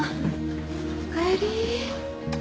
おかえり。